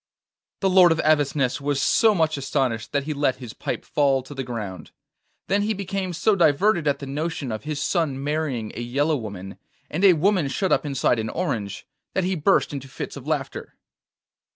The Lord of Avesnes was so much astonished that he let his pipe fall to the ground; then he became so diverted at the notion of his son marrying a yellow woman, and a woman shut up inside an orange, that he burst into fits of laughter.